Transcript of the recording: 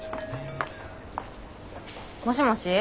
もしもし。